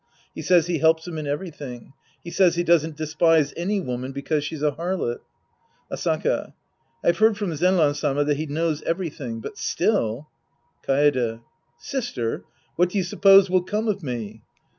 He says he helps him in everything. He says he doesn't despise any woman because she's a harlot. Asaka. I've heard from Zenran Sama that he knows everytliing, but still — Kaede. Sister ! What do you suppose will come of me?